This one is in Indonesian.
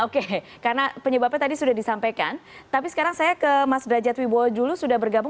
kebijakan ini pilihan